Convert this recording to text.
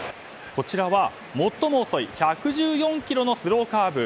こちらは最も遅い１１４キロのスローカーブ。